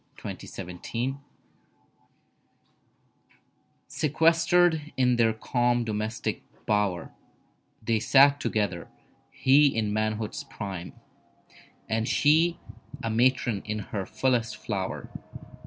DOMESTIC BLISS IV Sequestered in their calm domestic bower, They sat together. He in manhood's prime And she a matron in her fullest flower.